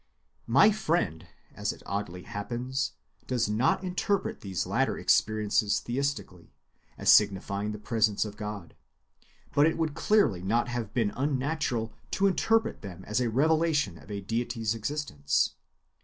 My friend, as it oddly happens, does not interpret these latter experiences theistically, as signifying the presence of God. But it would clearly not have been unnatural to interpret them as a revelation of the deity's existence.